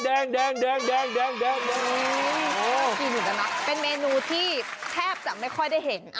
เป็นเมนูที่แทบไม่ค่อยได้เห็น